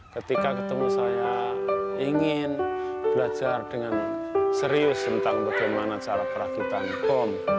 ketika ketemu saya ingin belajar dengan serius tentang bagaimana cara perakitan bom